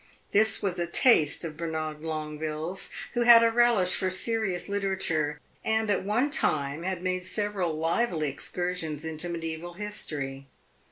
This was a taste of Bernard Longueville's, who had a relish for serious literature, and at one time had made several lively excursions into mediaeval history.